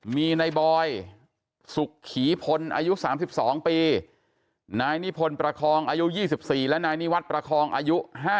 มีนายบอยสุขีพลอายุ๓๒ปีนายนิพนธ์ประคองอายุ๒๔และนายนิวัตรประคองอายุ๕๐